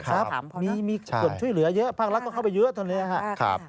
ครับมีส่วนช่วยเหลือเยอะภาครัฐก็เข้าไปเยอะตอนนี้ครับ